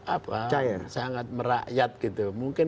apa sangat merakyat gitu